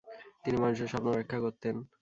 তিনি মানুষের সপ্ন ব্যাখ্যা করতেন।